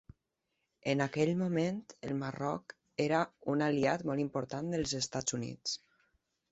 En aquell moment, el Marroc era un aliat molt important dels Estats Units.